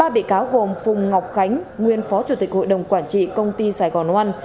ba bị cáo gồm phùng ngọc khánh nguyên phó chủ tịch hội đồng quản trị công ty sài gòn oan